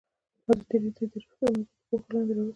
ازادي راډیو د اداري فساد موضوع تر پوښښ لاندې راوستې.